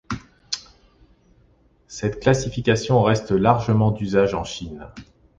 Cette classification reste largement d'usage en Chine.